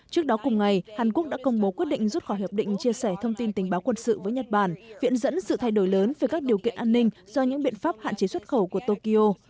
trước đó cùng ngày hàn quốc đã công bố quyết định rút khỏi hiệp định chia sẻ thông tin tình báo quân sự với nhật bản viện dẫn sự thay đổi lớn về các điều kiện an ninh do những biện pháp hạn chế xuất khẩu của tokyo